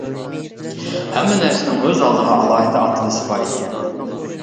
ھەممە نەرسىنىڭ ئۆز ئالدىغا ئالاھىدە ئاتىلىشى بار ئىكەن.